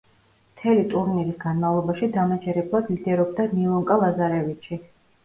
მთელი ტურნირის განმავლობაში დამაჯერებლად ლიდერობდა მილუნკა ლაზარევიჩი.